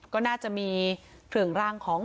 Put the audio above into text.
ก็น่าจะมีเครื่องร่างของ